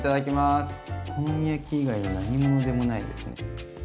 お好み焼き以外の何物でもないですね。